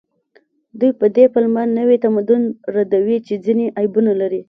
دوی په دې پلمه نوي تمدن ردوي چې ځینې عیبونه لري